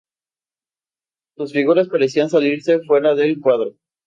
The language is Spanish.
Sus figuras parecían salirse fuera del cuadro.